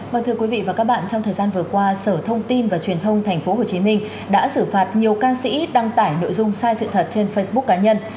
vâng thưa quý vị và các bạn trong thời gian vừa qua sở thông tin và truyền thông tp hcm đã xử phạt nhiều ca sĩ đăng tải nội dung sai sự thật trên facebook cá nhân